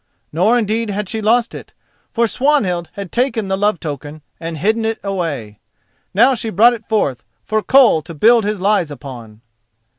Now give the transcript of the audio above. Nor indeed had she lost it, for Swanhild had taken the love token and hidden it away. Now she brought it forth for Koll to build his lies upon.